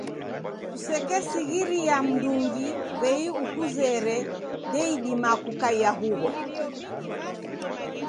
Kusekesighiria mndungi w'ei ukuzere ndeidima kukaia huw'o.